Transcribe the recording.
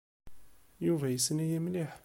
Yuba yessen-iyi mliḥ.